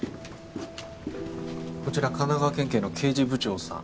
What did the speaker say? こちら神奈川県警の刑事部長さん